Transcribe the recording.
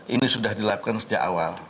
ini sudah dilakukan sejak awal